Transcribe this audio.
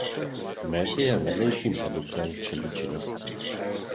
Med je jen vedlejším produktem včelí činnosti.